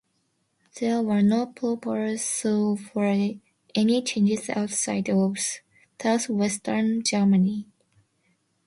There were no proposals for any changes outside of southwestern Germany.